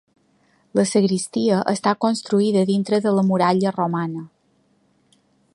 La sagristia està construïda dintre de la muralla romana.